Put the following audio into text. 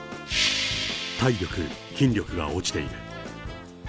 体力、筋力が落ちている。